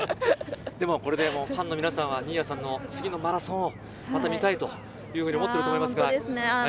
これでファンの皆さんは新谷さんの次のマラソンをまた見たいというふうに思ってると思いますが。